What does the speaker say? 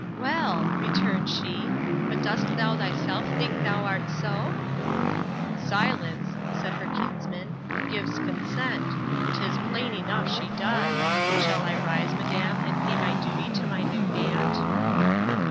—Well, returned she, but dost thou thyself think thou art so?—Silence, said her kinsman, gives consent. 'Tis plain enough she does. Shall I rise, madam, and pay my duty to my new aunt?